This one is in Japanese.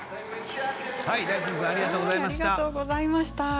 大進君ありがとうございました。